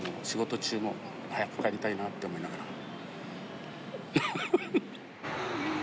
仕事中も早く帰りたいなって思いながら。